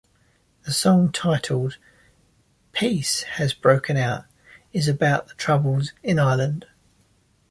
The song, titled "Peace Has Broken Out", is about the Troubles in Ireland.